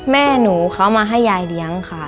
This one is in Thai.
แม่หนูเขามาให้ยายเลี้ยงค่ะ